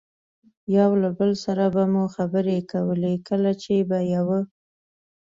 یو له بل سره مو خبرې کولې، کله چې به یوه.